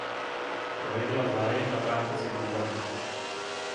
Projevila zájem navrátit se k divadlu.